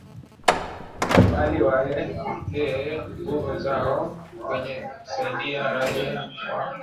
bali waelekeze nguvu zao kwenye kusaidia raia wa